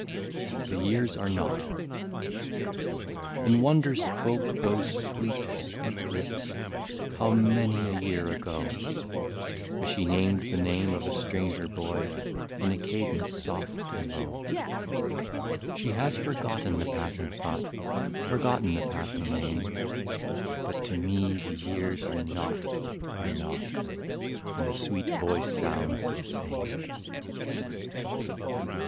i8 THE YEARS ARE NOUGHT. In wonder spoke those sweet, sweet lips — How many a year ago !— As she named the name of a stranger boy, In a cadence soft and low. She has forgotten the passing thought, Forgotten the passing name ; But to me the years are nought, are nought. And the sweet voice sounds the same.